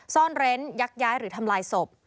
ซ่อนเร้นยักย้ายหรือทำลายศพ